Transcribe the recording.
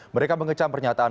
mereka mengecam pernyataan